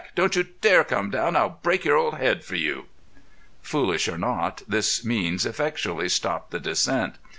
Don't you dare come down! I'd break your old head for you!" Foolish or not, this means effectually stopped the descent.